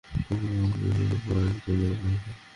কিন্তু অচেতন অবস্থায় তুই কী কী বলেছিস!